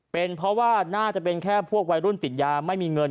เป็นเพราะว่าน่าจะเป็นแค่พวกวัยรุ่นติดยาไม่มีเงิน